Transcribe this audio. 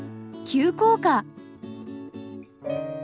急降下。